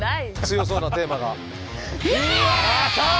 強そうなテーマが。